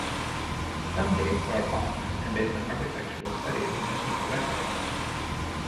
Some dates are approximate and based on architectural studies and historical records.